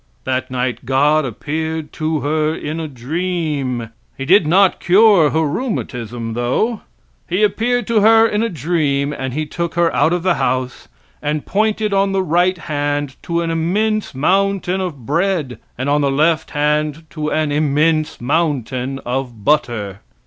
That night God appeared to her in a dream. He did not cure her rheumatism though. He appeared to her in a dream, and he took her out of the house and pointed on the right hand to an immense mountain of bread, and on the left hand to an immense mountain of butter.